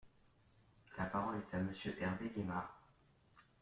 La parole est à Monsieur Hervé Gaymard.